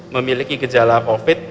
memiliki gejala covid